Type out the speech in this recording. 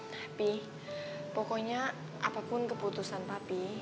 tapi pokoknya apapun keputusan papi